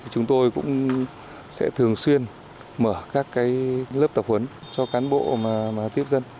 chúng tôi cũng sẽ thường xuyên mở các lớp tập huấn cho cán bộ tiếp dân